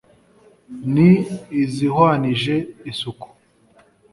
Ni izihwanije isuku